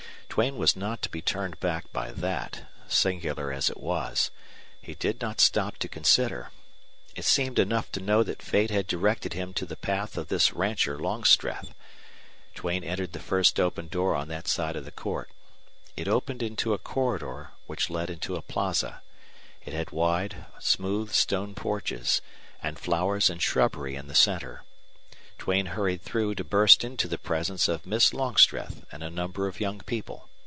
Duane was not to be turned back by that, singular as it was. He did not stop to consider. It seemed enough to know that fate had directed him to the path of this rancher Longstreth. Duane entered the first open door on that side of the court. It opened into a corridor which led into a plaza. It had wide, smooth stone porches, and flowers and shrubbery in the center. Duane hurried through to burst into the presence of Miss Longstreth and a number of young people.